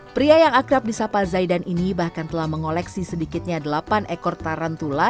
pria yang akrab di sapa zaidan ini bahkan telah mengoleksi sedikitnya delapan ekor tarantula